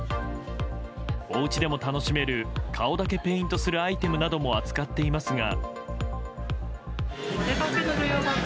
おうちでも楽しめる顔だけペイントするアイテムなども扱っていますが。